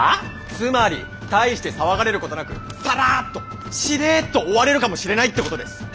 つまり大して騒がれることなくさらっとしれっと終われるかもしれないってことです！